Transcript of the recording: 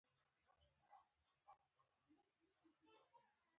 زه یوازې راغلم او یوازې به ځم دا حقیقت دی.